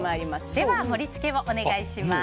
では盛り付けをお願いします。